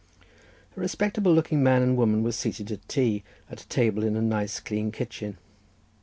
A respectable looking man and woman were seated at tea at a table in a nice clean kitchen.